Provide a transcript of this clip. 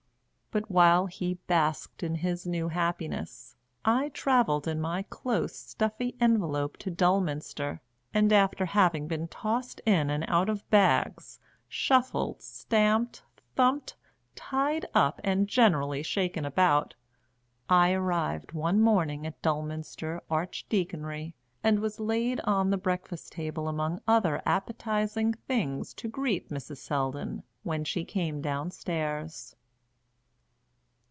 But while he basked in his new happiness I travelled in my close stuffy envelope to Dulminster, and after having been tossed in and out of bags, shuffled, stamped, thumped, tied up, and generally shaken about, I arrived one morning at Dulminster Archdeaconry, and was laid on the breakfast table among other appetising things to greet Mrs. Selldon when she came downstairs.